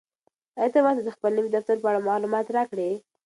آیا ته به ماته د خپل نوي دفتر په اړه معلومات راکړې؟